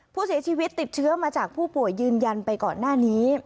ผู้เสียชีวิตติดเชื้อมาจากผู้ป่วยยืนยันไปก่อนหน้านี้